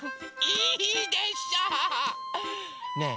いいでしょう！ねえ